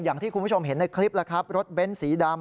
อย่างที่คุณผู้ชมเห็นในคลิปแล้วครับรถเบ้นสีดำ